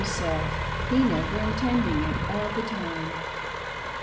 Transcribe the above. himself— he never intending it, all the tisine.